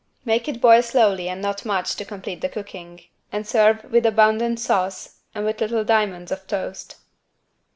Make it boil slowly and not much to complete the cooking and serve with abundant sauce and with little diamonds of toast.